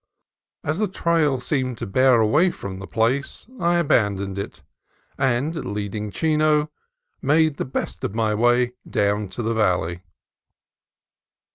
As the trail seemed to bear away from the place, I aban doned it, and, leading Chino, made the best of my way down to the valley.